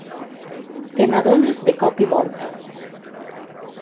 Te n'adones de cop i volta.